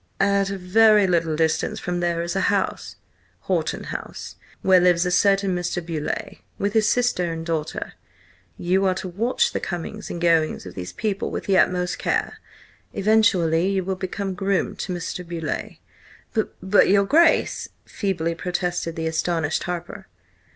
"At a very little distance from there is a house–Horton House, where lives a certain Mr. Beauleigh, with his sister and daughter. You are to watch the comings and goings of these people with the utmost care. Eventually you will become groom to Mr. Beauleigh." "B but, your Grace!" feebly protested the astonished Harper.